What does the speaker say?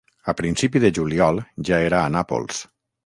A principi de juliol ja era a Nàpols.